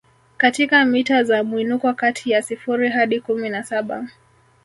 katika mita za mwinuko kati ya sifuri hadi kumi na saba